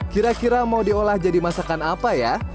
kira kira mau diolah jadi masakan apa ya